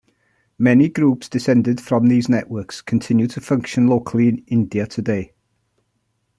Many groups descended from these networks continue to function locally in India today.